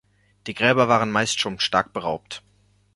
Die Gräber waren meist schon stark beraubt.